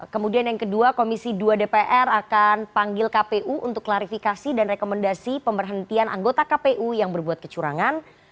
kemudian yang kedua komisi dua dpr akan panggil kpu untuk klarifikasi dan rekomendasi pemberhentian anggota kpu yang berbuat kecurangan